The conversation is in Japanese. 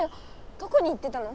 どこに行ってたの？